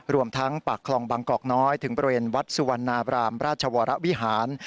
รวมทั้งปากคลองบางกอกน้อยถึงบริเวณวัดสุวรรณาบรามราชวรวิหาร